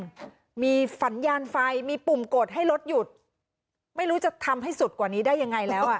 มันมีสัญญาณไฟมีปุ่มกดให้รถหยุดไม่รู้จะทำให้สุดกว่านี้ได้ยังไงแล้วอ่ะ